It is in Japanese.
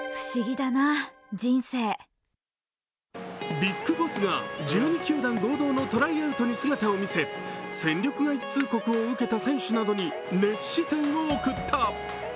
ビッグボスが１２球団合同のトライアウトに姿を見せ、戦力外通告を受けた選手などに熱視線を送った。